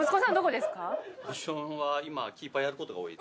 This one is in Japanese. ポジションは今はキーパーやる事が多い。